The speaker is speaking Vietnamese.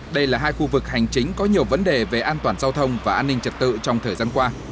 đây là hai khu vực hành chính có nhiều vấn đề về an toàn giao thông và an ninh trật tự trong thời gian qua